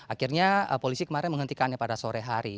akhirnya polisi kemarin menghentikannya pada sore hari